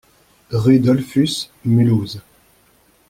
Rue Dollfus, Mulhouse